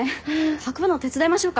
運ぶの手伝いましょうか？